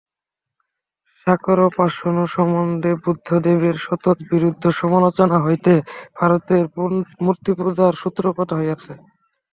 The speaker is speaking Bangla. সাকারোপাসনা সম্বন্ধে বুদ্ধদেবের সতত বিরুদ্ধ সমালোচনা হইতেই ভারতে মূর্তিপূজার সূত্রপাত হইয়াছে।